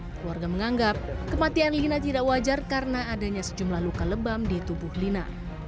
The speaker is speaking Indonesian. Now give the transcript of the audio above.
keluarga menganggap kematian lina tidak wajar karena adanya sejumlah luka lebam di tubuh lina